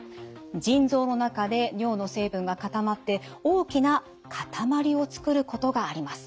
腎臓の中で尿の成分が固まって大きな塊を作ることがあります。